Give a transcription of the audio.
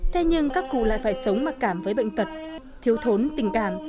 thế nhưng các cụ lại phải sống mặc cảm với bệnh tật thiếu thốn tình cảm